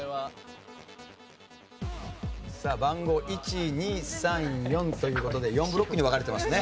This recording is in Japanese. さあ番号１２３４という事で４ブロックに分かれてますね。